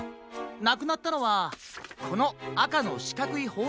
なくなったのはこのあかのしかくいほうせきケースです。